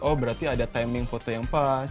oh berarti ada timing foto yang pas